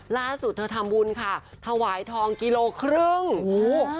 ล่าสุดทำบุญค่ะถวายทองครึ่งหุ้ว